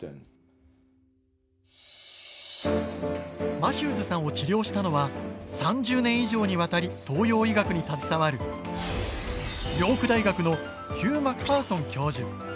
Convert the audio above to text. マシューズさんを治療したのは３０年以上にわたり東洋医学に携わるヨーク大学のヒュー・マクファーソン教授。